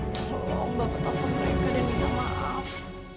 tolong bapak telepon mereka dan minta maaf